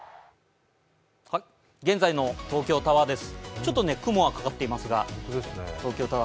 現在の東京タワーです。